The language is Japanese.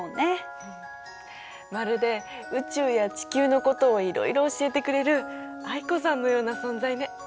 まるで宇宙や地球のことをいろいろ教えてくれる藍子さんのような存在ね。